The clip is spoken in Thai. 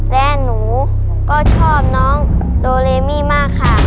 และหนูก็ชอบน้องโดเลมี่มากค่ะ